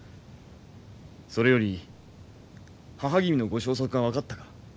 それより母君のご消息は分かったか？